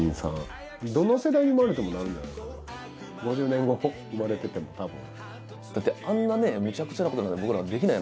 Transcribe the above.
５０年後生まれてても多分。